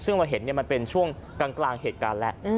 ซึ่งเราเห็นมันเป็นช่วงกลางเหตุการณ์แล้ว